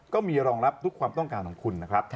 ก็มีรองรับทุกความต้องการของคุณนะครับ